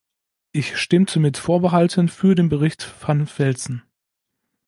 Ich stimmte mit Vorbehalten für den Bericht van Velzen.